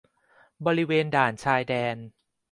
บริเวณด่านชายแดน